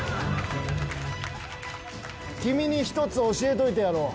君に１つ教えといてやろう。